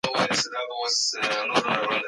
بزګر په پوره شوق سره د خپل آس پالنه بېرته پیل کړه.